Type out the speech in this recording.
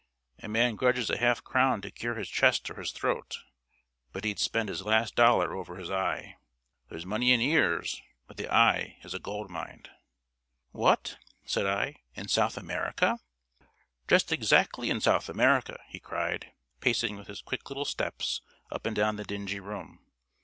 A man grudges a half crown to cure his chest or his throat, but he'd spend his last dollar over his eye. There's money in ears, but the eye is a gold mine." "What!" said I, "in South America?" "Just exactly in South America," he cried, pacing with his quick little steps up and down the dingy room.